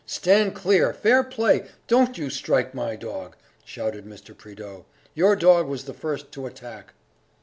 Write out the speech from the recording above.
"Stand clear! fair play! don't you strike my dog!" shouted Mr. Prideaux. "Your dog was the first to attack!"